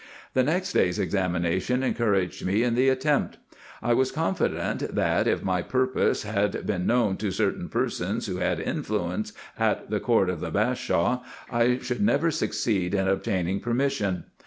The next day's examination encouraged me in the attempt. I was confident, that, if my purpose had been known to certain persons, who had influence at the court of the Bashaw, I should never succeed in obtaining permission.